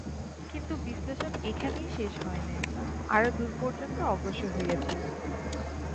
কিন্তু বিশ্লেষণ এইখানেই শেষ হয় নাই, আরও দূর পর্যন্ত অগ্রসর হইয়াছিল।